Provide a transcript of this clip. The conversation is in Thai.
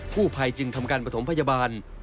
ผู้ภัยจึงทำการประถมพยาบาล